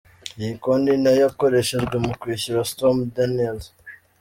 Iyi konti ni nayo yakoreshejwe mu kwishyura Stormy Daniels.